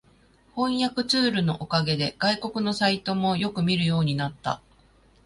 翻訳ツールのおかげで外国のサイトもよく見るようになった